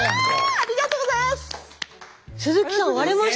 ありがとうございます。